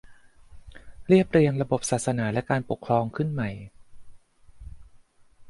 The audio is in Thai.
เรียบเรียงระบบศาสนาและการปกครองขึ้นใหม่